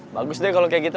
bagus deh kalo kayak gitu